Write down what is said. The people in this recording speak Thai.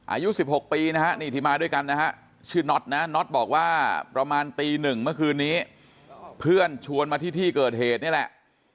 อายุ๑๖ปีนะฮะนี่ที่มาด้วยกันนะฮะชื่อน็อตนะน็อตบอกว่าประมาณตีหนึ่งเมื่อคืนนี้เพื่อนชวนมาที่ที่เกิดเหตุนี่แหละ